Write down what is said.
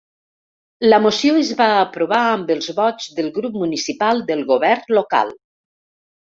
La moció es va aprovar amb els vots del grup municipal del govern local.